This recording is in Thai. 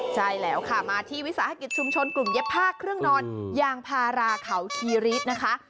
ใช่แล้วค่ะมาที่วิสาหกิจชุมชนกลุ่มเย็บผ้าเครื่องนอนยางพาราเขาคีรีดนะคะ